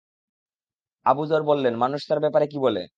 Abu Zar বললেন, মানুষ তার ব্যাপারে কি বলে?